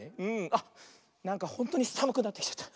あっなんかほんとにさむくなってきちゃった。